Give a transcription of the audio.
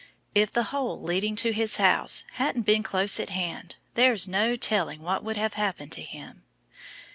If the hole leading to his home hadn't been close at hand there's no telling what would have happened to him.